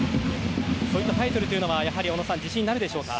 そういったタイトルというのは自信になるでしょうか。